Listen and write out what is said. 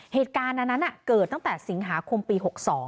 เหตุการณ์อันนั้นเกิดตั้งแต่สิงหาคมปี๖๒